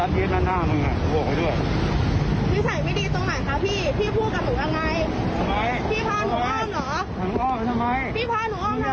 บอกค่ะ